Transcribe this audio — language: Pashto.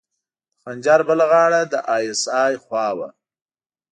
د خنجر بله غاړه د ای اس ای خوا وه.